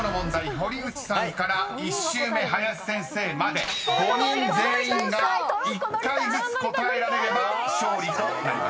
堀内さんから１周目林先生まで５人全員が１回ずつ答えられれば勝利となります］